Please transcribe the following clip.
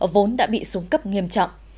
vốn đã bị súng cấp nghiêm trọng